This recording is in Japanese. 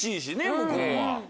向こうは。